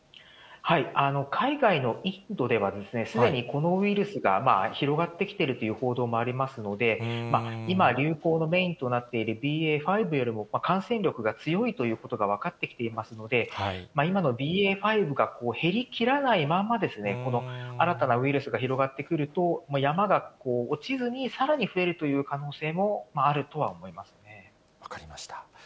海外のインドではですね、すでにこのウイルスが広がってきているという報道もありますので、今、流行のメインとなっているＢＡ．５よりも感染力が強いということが分かってきていますので、今のＢＡ．５が減りきらないままですね、新たなウイルスが広がってくると、山が落ちずに、さらに増えるとい分かりました。